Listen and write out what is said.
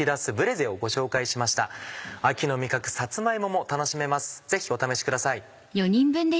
ぜひお試しください。